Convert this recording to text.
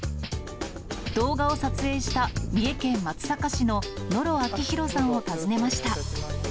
動画を撮影した三重県松阪市の野呂明弘さんを訪ねました。